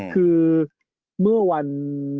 คือเมื่อวัน